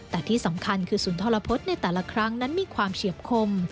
แต่ที่สำคัญคือสุนทรพฤษในแต่ละครั้งนั้นมีความเฉียบคม